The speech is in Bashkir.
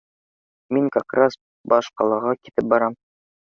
Мин как раз баш ҡалаға китеп барам.